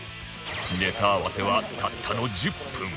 ネタ合わせはたったの１０分